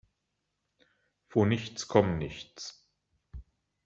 Von nichts komm nichts.